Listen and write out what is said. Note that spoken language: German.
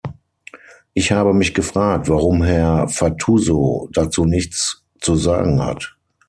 Ich habe mich gefragt, warum Herr Fatuzzo dazu nichts zu sagen hat.